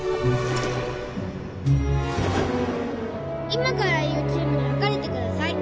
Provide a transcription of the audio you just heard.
今から言うチームに分かれてください